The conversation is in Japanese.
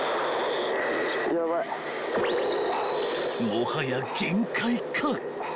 ［もはや限界か］